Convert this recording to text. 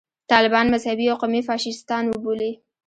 طالبان مذهبي او قومي فاشیستان وبولي.